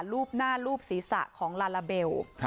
รูปหน้ารูปศีรษะของลาลาเบล